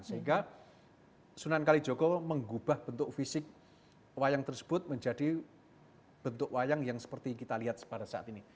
sehingga sunan kalijoko mengubah bentuk fisik wayang tersebut menjadi bentuk wayang yang seperti kita lihat pada saat ini